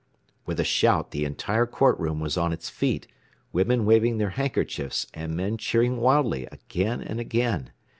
With a shout the entire court room was on its feet, women waving their handkerchiefs and men cheering wildly again and again.